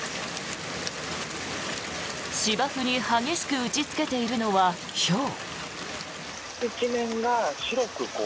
芝生に激しく打ちつけているのはひょう。